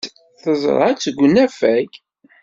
Teẓra-tt deg unafag.